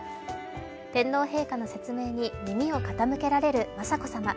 天皇陛下の説明に耳を傾けられる雅子さま。